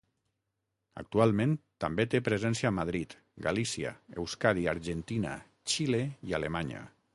Actualment també té presència a Madrid, Galícia, Euskadi, Argentina, Xile i Alemanya.